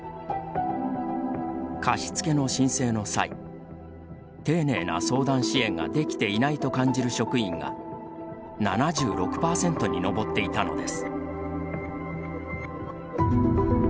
貸付の申請の際丁寧な相談支援ができていないと感じる職員が７６％に上っていたのです。